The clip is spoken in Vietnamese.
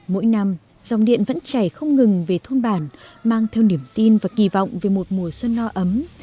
mỗi năm dòng điện vẫn chảy không ngừng về thôn bản mang theo niềm tin và kỳ vọng về một mùa xuân no ấm